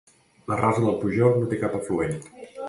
La Rasa del Pujol no té cap afluent.